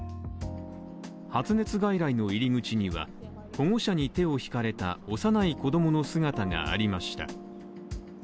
発熱外来の入り口には、保護者に手を引かれた幼い子供の姿がありました。